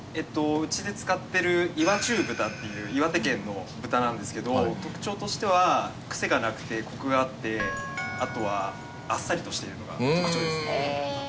うちで使ってる岩中豚っていう岩手県の豚なんですけど特徴としてはクセがなくてコクがあってあとはあっさりとしているのが特徴ですね。